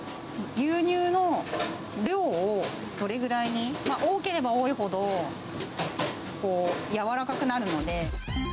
牛乳の量をどれぐらいに、多ければ多いほど、柔らかくなるので。